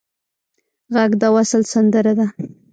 غږ د وصل سندره ده